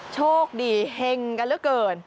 โชคดีเฮ็งกันแน็กเกิด